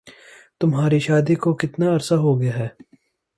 تمہاری شادی کو کتنا عرصہ ہو گیا ہے؟